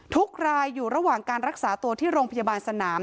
ทุกรายอยู่ระหว่างการรักษาตัวที่โรงพยาบาลสนาม